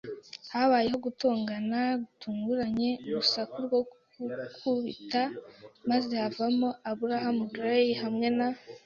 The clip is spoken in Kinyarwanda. Habayeho gutongana gitunguranye, urusaku rwo gukubita, maze havamo Abraham Gray hamwe na